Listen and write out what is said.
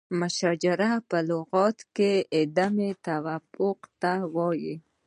مشاجره په لغت کې عدم توافق ته وایي.